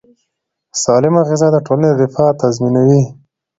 سالمه غذا د ټولنې رفاه تضمینوي.